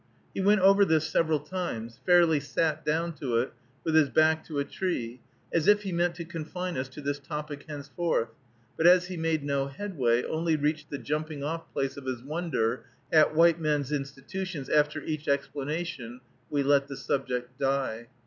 He went over this several times, fairly sat down to it, with his back to a tree, as if he meant to confine us to this topic henceforth; but as he made no headway, only reached the jumping off place of his wonder at white men's institutions after each explanation, we let the subject die.